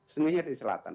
sehingga dari selatan